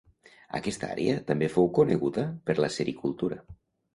Aquesta àrea també fou coneguda per la sericultura.